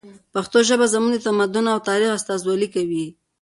پښتو ژبه زموږ د تمدن او تاریخ استازولي کوي.